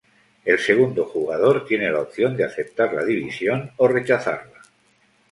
El segundo jugador tiene la opción de aceptar la división o rechazarla.